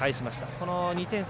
その２点差、